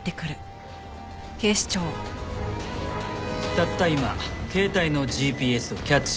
たった今携帯のＧＰＳをキャッチしました。